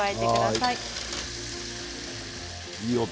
いい音。